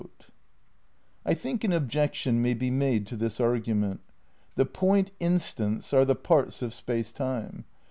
194 THE NEW IDEALISM v I think an objection may be made to this argument. The point instants are the parts of Space Time.